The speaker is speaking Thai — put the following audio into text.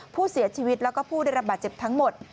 ผู้เสียชีวิตแล้วก็ผู้ได้รับบาดเจ็บทั้งหมด